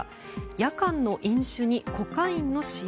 夜間の飲酒に、コカインの使用。